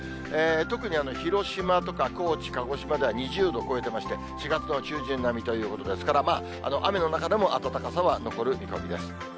特に広島とか高知、鹿児島では２０度を超えてまして、４月の中旬並みということですから、まあ、雨の中でも暖かさは残る見込みです。